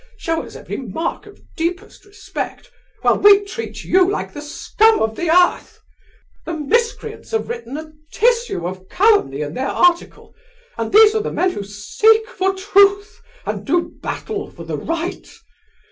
Show us every mark of deepest respect, while we treat you like the scum of the earth.' The miscreants have written a tissue of calumny in their article, and these are the men who seek for truth, and do battle for the right!